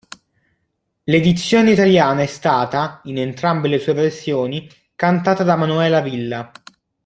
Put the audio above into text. L'edizione italiana è stata, in entrambe le sue versioni, cantata da Manuela Villa.